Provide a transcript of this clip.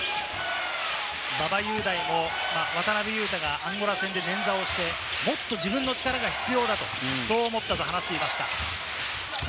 馬場雄大も渡邊雄太がアンゴラ戦で捻挫をして、もっと自分の力が必要だと思ったと話していました。